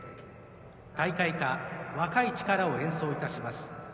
大会歌「若い力」を演奏いたします。